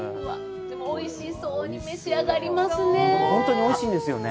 おいしそうに召し上がりますね。